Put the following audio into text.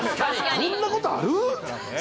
こんなことある？